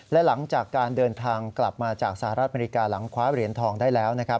และหลังจากการเดินทางกลับมาจากสหรัฐอเมริกาหลังคว้าเหรียญทองได้แล้วนะครับ